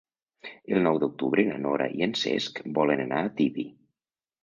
El nou d'octubre na Nora i en Cesc volen anar a Tibi.